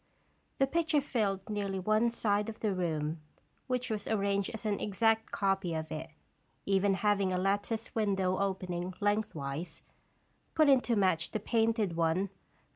The picture filled nearly one side of the room, which was arranged as an exact copy of it, even having a lattice window opening lengthwise, put in to match the painted one.